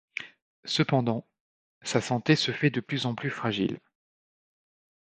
Cependant, sa santé se fait de plus en plus fragile.